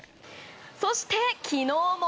そして、昨日も。